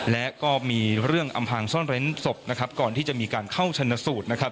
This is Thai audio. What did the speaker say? และก็มีเรื่องอำพางซ่อนเร้นศพนะครับก่อนที่จะมีการเข้าชนสูตรนะครับ